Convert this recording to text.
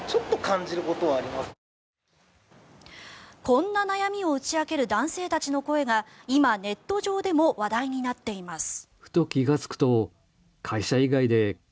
こんな悩みを打ち明ける男性たちの声が今、ネット上でも話題になっています。